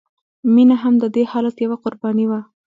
مینه هم د دې حالت یوه قرباني وه